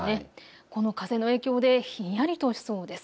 この風の影響でひんやりとしそうです。